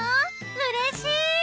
うれしい！